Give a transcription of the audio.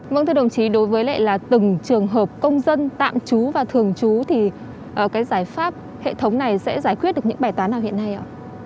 vâng thưa đồng chí đối với lại là từng trường hợp công dân tạm trú và thường trú thì cái giải pháp hệ thống này sẽ giải quyết được những bài toán nào hiện nay ạ